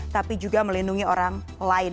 tapi juga melindungi orang lain